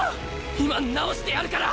今治してやるから。